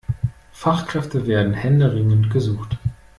Fachkräfte werden händeringend gesucht.